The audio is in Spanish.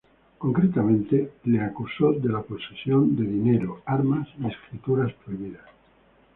Concretamente le acusó de la posesión de dinero, armas y escrituras prohibidas.